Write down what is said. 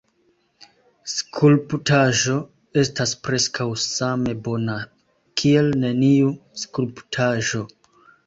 Skulptaĵo estas preskaŭ same bona kiel neniu skulptaĵo.